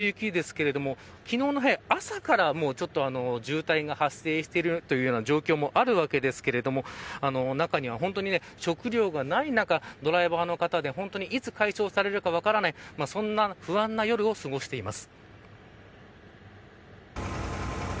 本当に、この大雪ですけども昨日の朝から渋滞が発生しているという状況もあるわけですけれども中には、本当に食料がない中ドライバーの方でいつ解消されるか分からないそんな不安な夜を過ごしています。